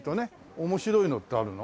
面白いのってあるの？